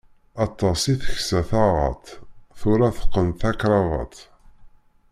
Aṭas i teksa taɣaṭ, tura teqqen takrabaṭ.